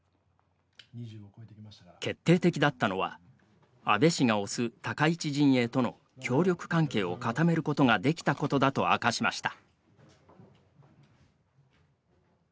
決定的だったのは安倍氏が推す高市陣営との協力関係を固めることができたことだと明かしました。